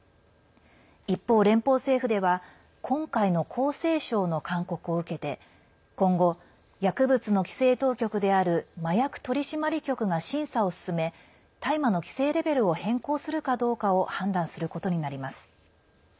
一方、連邦政府では今回の厚生省の勧告を受けて今後、薬物の規制当局である麻薬取締局が審査を進め大麻の規制レベルを変更するかどうかを判断することになります。